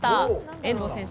遠藤選手